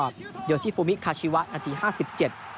โดยที่ฟูมิคาชิวะนาทีห้าสิบเจ็ด